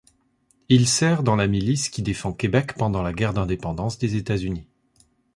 Il sert dans la milice qui défend Québec pendant la Guerre d'indépendance des États-Unis.